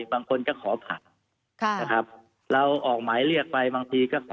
บางทีก็ขอผัดอะไรอย่างนี้